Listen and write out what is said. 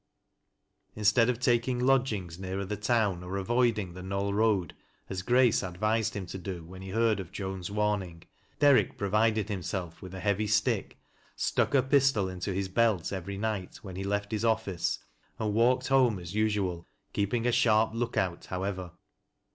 " Instead of taking lodgings nearer the tovra or avoiding the Knoll Eoad, as Grace advised him to do when he heard of Joan's warning, Derrick provided himself with a heavy stick, stuck a pistol into his belt every night when he left his office, and walked home as usual, keepiug a sharp look ont, however.